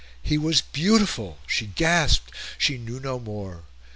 He was beautiful she gasped she knew no more.